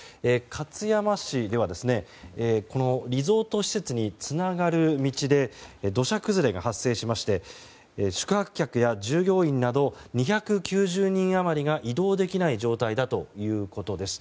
勝山市では、リゾート施設につながる道で土砂崩れが発生しまして宿泊客や従業員など２９０人余りが移動できない状態だということです。